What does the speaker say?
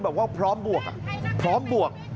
แบบว่าพร้อมบวกพร้อมบวก